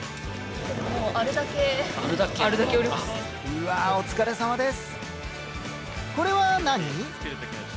うわお疲れさまです。